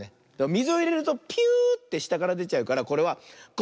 みずをいれるとピューッてしたからでちゃうからこれはコッピュー。